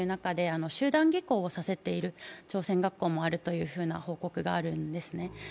集団下校をさせている朝鮮学校もあるという報告があるんですね。